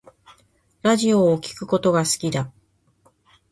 ラジオを聴くことが好きだ